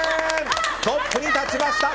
トップに立ちました！